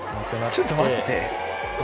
ちょっと待って。